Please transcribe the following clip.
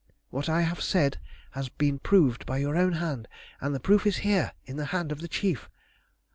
What I have said has been proved by your own hand, and the proof is here in the hand of the Chief.